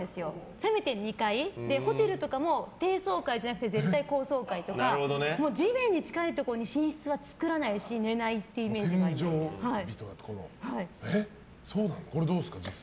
せめて２階でホテルとかも低層階じゃなくて絶対、高層階とか地面に近いところに寝室は作らないし寝ないっていうこれ、どうですか？